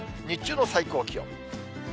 日中の最高気温。